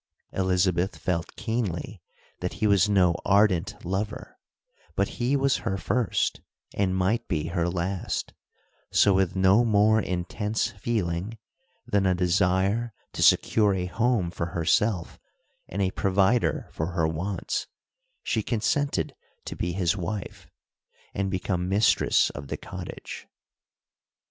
Elizabeth felt keenly that he was no ardent lover; but he was her first, and might be her last; so with no more intense feeling than a desire to secure a home for herself and a provider for her wants, she consented to be his wife, and become mistress of the cottage.